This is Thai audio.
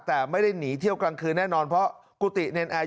แต่ไม่ได้หนีเที่ยวกลางคืนแน่นอนเพราะกุฏิเนรนแอร์